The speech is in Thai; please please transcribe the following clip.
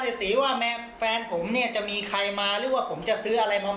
แต่ว่าผมยังไม่เจาะใครยังไม่ได้ยิงใคร